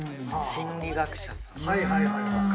心理学者さんとか。